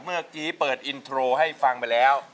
เมื่อกี้เปิดอินโทรให้ฟังไปแล้ว